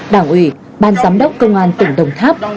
đảng ủy ban giám đốc công an tỉnh đồng tháp